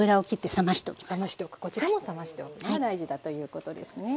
冷ましておくこちらも冷ましておくのが大事だということですね。